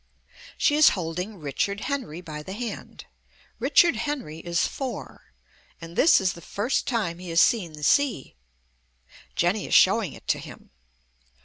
She is holding Richard Henry by the hand. Richard Henry is four, and this is the first time he has seen the sea. Jenny is showing it to him.